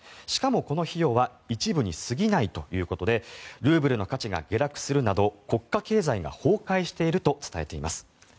しかも、この費用は一部に過ぎないということでルーブルの価値が下落するなど国家経済が崩壊していると伝えています。